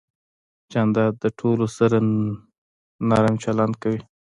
جانداد د ټولو سره نرمي چلند کوي.